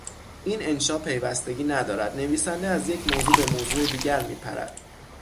این انشا پیوستگی ندارد; نویسنده از یک موضوع به موضوع دیگر میپرد.